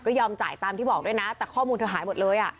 ยอมจ่ายตามที่บอกด้วยนะแต่ข้อมูลเธอหายหมดเลยอ่ะ